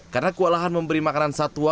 karena kewalahan memberi makanan satwa